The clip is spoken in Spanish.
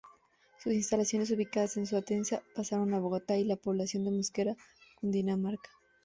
Sus instalaciones ubicadas en Sutatenza pasaron a Bogotá y la población de Mosquera, Cundinamarca.